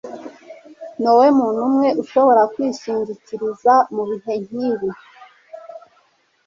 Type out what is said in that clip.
niwowe muntu umwe nshobora kwishingikiriza mubihe nkibi